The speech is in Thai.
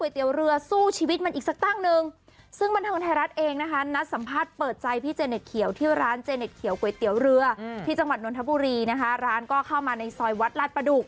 ที่จังหวัดนลธบุรีร้านก็เข้ามาในซอยวัดรัชประดูก